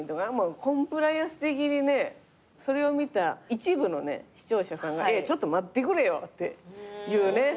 コンプライアンス的にねそれを見た一部の視聴者さんが「ちょっと待ってくれよ」っていうね。